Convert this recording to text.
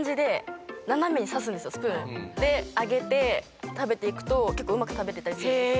で上げて食べていくと結構うまく食べれたりするんです。